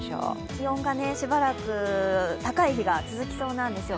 気温がしばらく高い日が続きそうなんですよ。